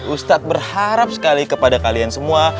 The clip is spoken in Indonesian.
ustadz berharap sekali kepada kalian semua